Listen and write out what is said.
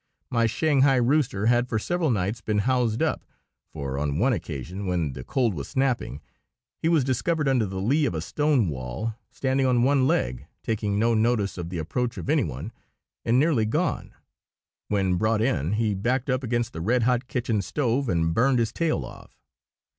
My Shanghai rooster had for several nights been housed up; for on one occasion, when the cold was snapping, he was discovered under the lee of a stone wall, standing on one leg, taking no notice of the approach of any one, and nearly gone. When brought in, he backed up against the red hot kitchen stove, and burned his tail off.